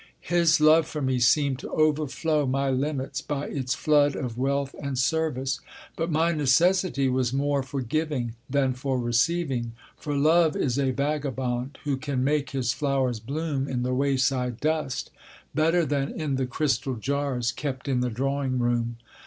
His love for me seemed to overflow my limits by its flood of wealth and service. But my necessity was more for giving than for receiving; for love is a vagabond, who can make his flowers bloom in the wayside dust, better than in the crystal jars kept in the drawing room.